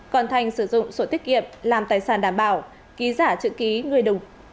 còn thành sử dụng sổ tiết kiệm làm tài sản đảm bảo ký giả chữ ký người đủ